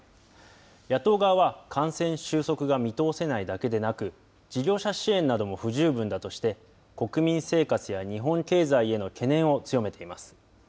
野党側は感染収束が見通せないだけでなく、事業者支援なども不十分だとして、国民生活や日本経済への懸念を強めています。